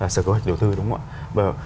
sở cơ hệ đầu tư đúng không ạ